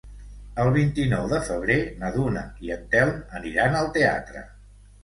El vint-i-nou de febrer na Duna i en Telm aniran al teatre.